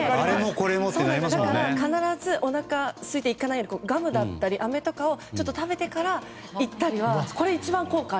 だから、必ずおなかがすいていかないようにガムだったり、あめとかを食べてから行ったりは。